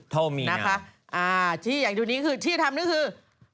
ที่จะทำนี่คือ